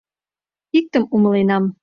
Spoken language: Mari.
Иктым умыленам: